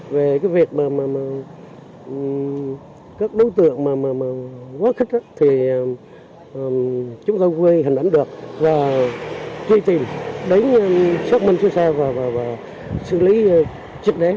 về cái việc mà các đối tượng mà quá khích thì chúng tôi quay hình ảnh được và truy tìm đến xác minh xưa xa và xử lý trực đế